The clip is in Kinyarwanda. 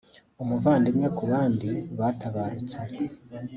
umuvandimwe ku bandi’’ watabarutse